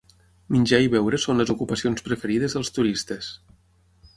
Menjar i beure són les ocupacions preferides dels turistes.